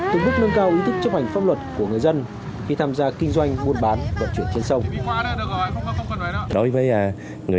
từng bước nâng cao ý thức chấp hành pháp luật của người dân khi tham gia kinh doanh buôn bán vận chuyển trên sông